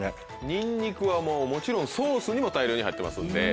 ニンニクはもうもちろんソースにも大量に入ってますんで。